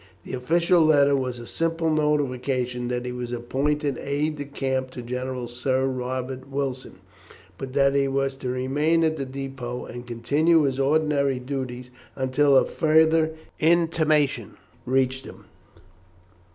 The official letter was a simple notification that he was appointed aide de camp to General Sir Robert Wilson, but that he was to remain at the depôt and continue his ordinary duties until a further intimation reached him.